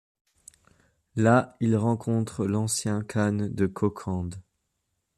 Là, il rencontre l'ancien khan de Kokand.